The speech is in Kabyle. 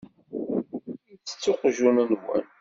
Itett uqjun-nwen?